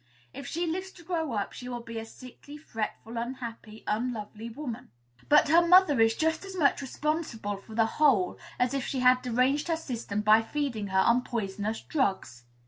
If she lives to grow up, she will be a sickly, fretful, unhappy, unlovely woman. But her mother is just as much responsible for the whole as if she had deranged her system by feeding her on poisonous drugs.